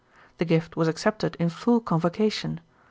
The gift was accepted in full convocation.